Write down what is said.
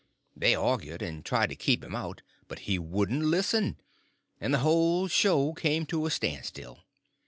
They argued and tried to keep him out, but he wouldn't listen, and the whole show come to a standstill.